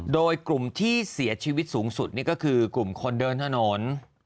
โดยกลุ่มที่เสียชีวิตสูงสุดนี่ก็คือกลุ่มคนเดินถนน